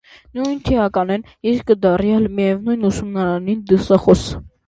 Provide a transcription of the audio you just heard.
Նոյն թուականէն իսկ կը դառնայ, միեւնոյն ուսումնարանին՝ դասախօս։